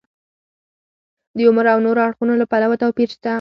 د عمر او نورو اړخونو له پلوه توپیر شته.